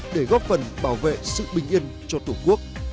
để góp phần bảo vệ sự bình yên cho tổ quốc